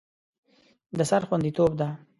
د سر خوندیتوب ده.